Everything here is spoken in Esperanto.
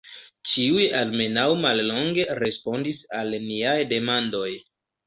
Ĉiuj almenaŭ mallonge respondis al niaj demandoj.